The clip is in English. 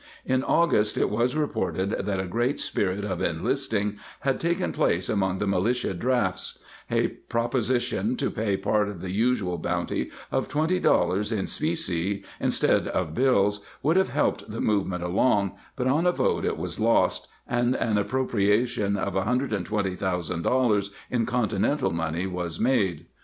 ^ In August it was reported that " a great spirit of inlisting " had taken place among the militia drafts.* A proposition to pay part of the usual bounty of $20 in specie instead of bills would have helped the movement along, but on a vote it was lost, and an appropriation of $120,000 in Continental money was made.